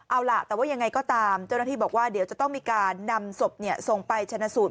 เอาล่ะแต่ว่ายังไงก็ตามเจ้าหน้าที่บอกว่าเดี๋ยวจะต้องมีการนำศพส่งไปชนะสูตร